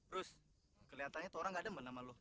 rus keliatannya tuh orang gak demen sama lo